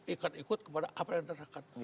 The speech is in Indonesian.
ikut ikut kepada apa yang anda lakukan